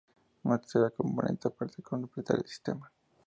Una tercera componente parece completar el sistema.